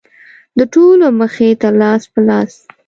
د ټولو مخې ته لاس په لاس.